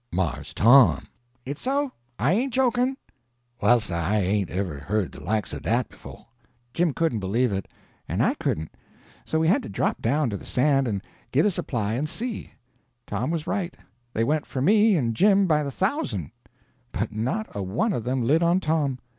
"Mars Tom!" "It's so; I ain't joking." "Well, sah, I hain't ever heard de likes o' dat befo'." Jim couldn't believe it, and I couldn't; so we had to drop down to the sand and git a supply and see. Tom was right. They went for me and Jim by the thousand, but not a one of them lit on Tom.